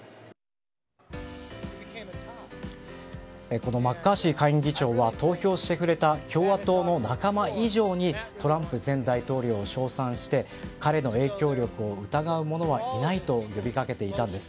このマッカーシー下院議長は投票してくれた共和党の仲間以上にトランプ前大統領を称賛して彼の影響力を疑う者はいないと呼びかけていたんです。